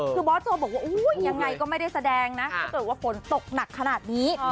คือบอสโจบอกว่ายังไงก็ไม่ได้แสดงนะถ้าเกิดว่าฝนตกหนักขนาดนี้